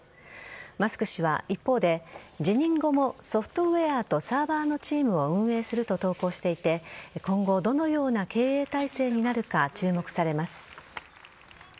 マスク氏は一方で辞任後も、ソフトウェアとサーバーのチームを運営すると投稿していて今後どのような経営体制になるか注目されます。